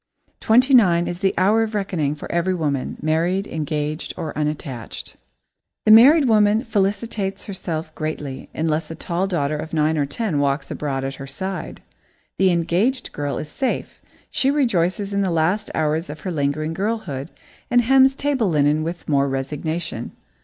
Twenty nine is the hour of reckoning for every woman, married, engaged, or unattached. The married woman felicitates herself greatly, unless a tall daughter of nine or ten walks abroad at her side. The engaged girl is safe she rejoices in the last hours of her lingering girlhood and hems table linen with more resignation.